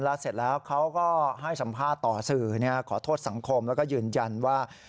แล้วเสร็จแล้วเขาก็ให้สัมภาษณ์ต่อสื่อขอโทษสังคมแล้วก็ยืนยันว่า